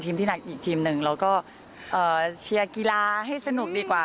ที่หนักอีกทีมหนึ่งเราก็เชียร์กีฬาให้สนุกดีกว่า